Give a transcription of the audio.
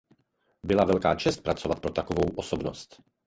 Byla velká čest pracovat pro takovou osobnost.